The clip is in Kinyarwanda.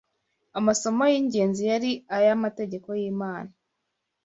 amasomo y’ingenzi yari aya: Amategeko y’Imana